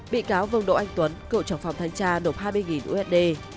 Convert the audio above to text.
bị cáo vâng đỗ anh tuấn cậu trưởng phòng thanh tra nộp hai mươi usd